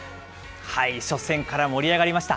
初戦から盛り上がりました。